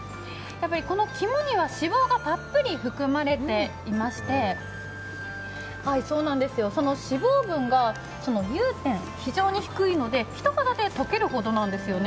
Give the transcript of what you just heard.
肝には脂肪がたっぷり含まれていまして、その脂肪分が融点、非常に低いので一肌で溶けるほどなんですよね、